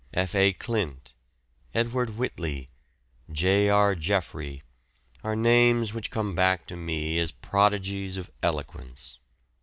P., F. A. Clint, Edward Whitley, J. R. Jeffery, are names which come back to me as prodigies of eloquence.